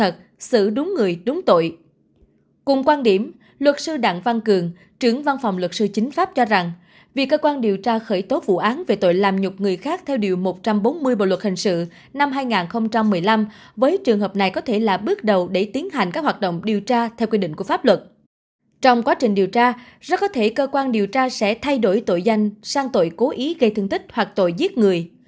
trong quá trình điều tra rất có thể cơ quan điều tra sẽ thay đổi tội danh sang tội cố ý gây thương tích hoặc tội giết người